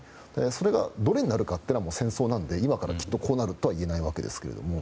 それが、どれになるのかは戦争なので今から、きっとこうなるとは言えないわけですけれども。